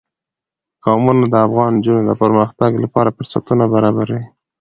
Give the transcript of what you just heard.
قومونه د افغان نجونو د پرمختګ لپاره فرصتونه برابروي.